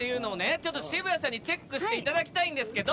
ちょっと渋谷さんにチェックしていただきたいんですけど。